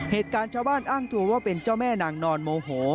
เหตุการณ์ชาวบ้านอ้างตัวว่าเป็นเจ้าแม่นางนอนโมโห